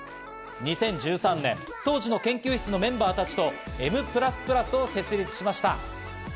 ２０１３年、当時の研究室のメンバーたちとＭＰＬＵＳＰＬＵＳを設立しました。